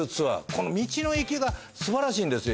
この道の駅が素晴らしいんですよ